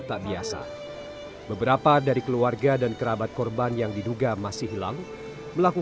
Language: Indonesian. tapi kami berharap tuhan akan memberi kekuatan kepada mereka